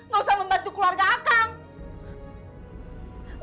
gak usah membantu keluarga akang